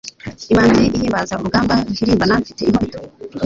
Imanzi ihimbaza urugamba Ruhirimbana mfite inkubito